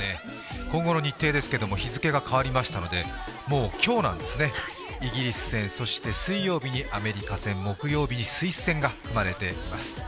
今後の日程ですけど、日付が変わりましたので、もう今日なんですね、イギリス戦、そして水曜日にアメリカ戦、木曜日にスイス戦が組まれています。